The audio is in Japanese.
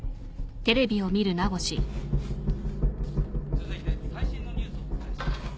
続いて最新のニュースをお伝えします。